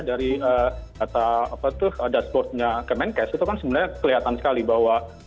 dari data dashboardnya ke menkes itu kan sebenarnya kelihatan sekali bahwa